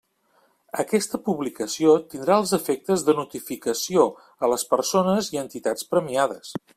Aquesta publicació tindrà els efectes de notificació a les persones i entitats premiades.